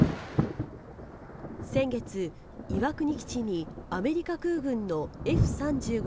先月岩国基地にアメリカ空軍のＦ３５